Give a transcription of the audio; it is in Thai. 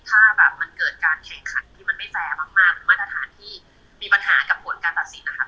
ถ้าแบบมันเกิดการแข่งขันที่มันไม่แฟร์มากหรือมาตรฐานที่มีปัญหากับผลการตัดสินนะคะ